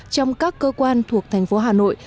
trong các cơ quan thuộc thành phố hà nội